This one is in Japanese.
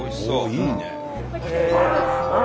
いいね。